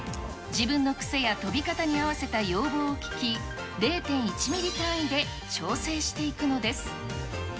自分の癖や跳び方に合わせた要望を聞き、０．１ミリ単位で調整していくのです。